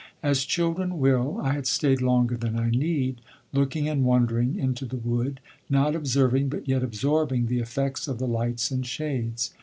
As children will, I had stayed longer than I need, looking and wondering into the wood, not observing but yet absorbing the effects of the lights and shades.